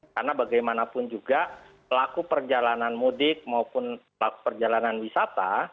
karena bagaimanapun juga pelaku perjalanan mudik maupun pelaku perjalanan wisata